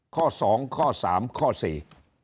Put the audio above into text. ข้อสองข้อสามข้อสี่